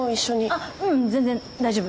あううん全然大丈夫。